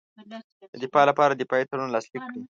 د دفاع لپاره دفاعي تړون لاسلیک کړي.